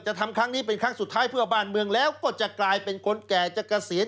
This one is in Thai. ทำครั้งนี้เป็นครั้งสุดท้ายเพื่อบ้านเมืองแล้วก็จะกลายเป็นคนแก่จะเกษียณ